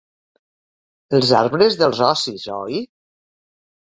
Els arbres dels ocis, oi?